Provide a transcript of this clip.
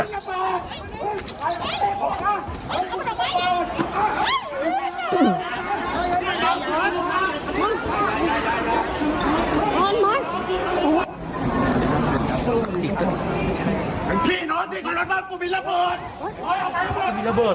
ไอ้พี่น้องเพลิงออกมาผมมีระเบิด